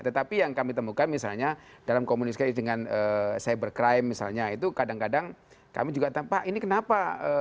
tetapi yang kami temukan misalnya dalam komunisasi dengan cyber crime misalnya itu kadang kadang kami juga pak ini kenapa